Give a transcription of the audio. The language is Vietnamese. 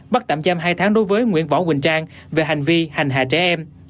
bắt tạm giam hai tháng đối với nguyễn võ quỳnh trang về hành vi hành hạ trẻ em